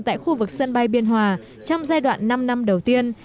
tại khu vực sân bay biên hòa trong giai đoạn năm năm đầu tiên